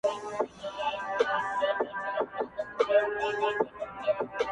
مسلمان بايد ښه مسابقه کوونکی وي.